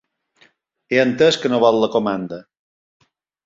He entès que no vol la comanda.